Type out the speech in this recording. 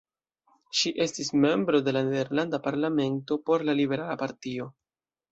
Ŝi estis membro de la nederlanda parlamento por la liberala partio.